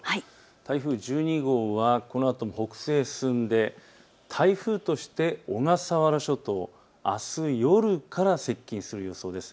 台風１２号はこのあと北西へ進んで台風として小笠原諸島にあす夜から接近する予想です。